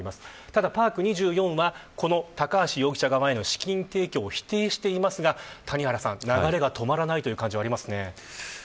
ただ、パーク２４はこの高橋容疑者側への資金提供を否定していますが谷原さん、流れが止まらない感じがありますね。